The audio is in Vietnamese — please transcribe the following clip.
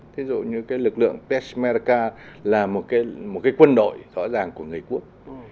ví dụ như cái lực lượng peshmerga là một cái quân đội rõ ràng của người quốc